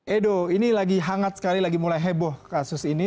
edo ini lagi hangat sekali lagi mulai heboh kasus ini